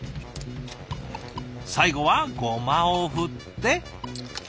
最後はごまを振って。